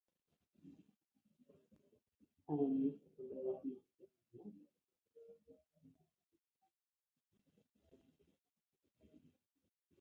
He was again wounded, very seriously.